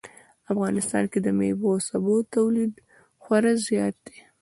افغانستان کې د میوو او سبو تولید خورا زیات ده